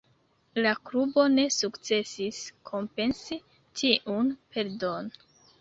La klubo ne sukcesis kompensi tiun perdon.